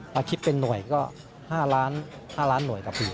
ถ้าคิดเป็นหน่วยก็๕ล้านหน่วยครับพี่